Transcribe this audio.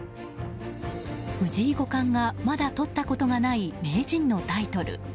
藤井五段がまだとったことがない名人のタイトル。